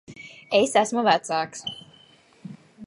Es esmu vecāks.